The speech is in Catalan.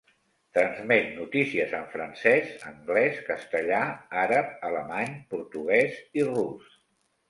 Transmet notícies en francès, anglès, castellà, àrab, alemany, portuguès i rus.